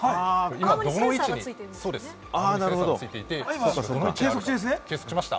どの位置にセンサーが付いていて、これを計測します。